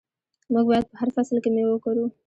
موږ باید په هر فصل کې میوه وکرو.